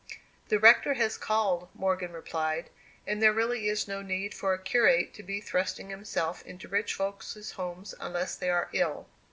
"The rector has called," Morgan replied, "and there really is no need for a curate to be thrusting himself into rich folks' houses unless they are ill."